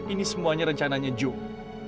ini semuanya rencananya joe